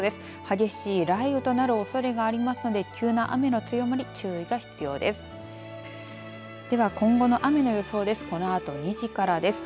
激しい雷雨となるおそれがありますので急な雨の強まり注意が必要です。